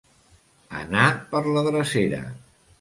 Anar per la drecera.